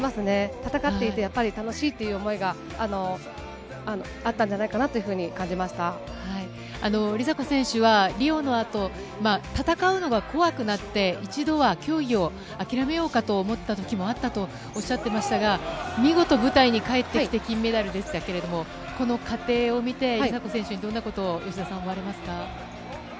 戦っていて、やっぱり楽しいって思いがあったんじゃないかなというふうに感じ梨紗子選手は、リオのあと、戦うのが怖くなって、一度は競技を諦めようかと思ったときもあったとおっしゃっていましたが、見事、舞台に帰ってきて金メダルでしたけれども、この過程を見て、梨紗子選手にどんなこと、吉田さん、思われますか？